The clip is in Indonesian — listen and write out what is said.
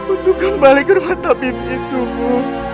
untuk kembali ke rumah tabib itu bu